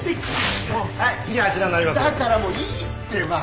だからもういいってば。